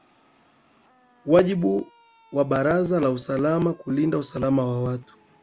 wajibu wa baraza la usalama ni kulinda usalama wa watu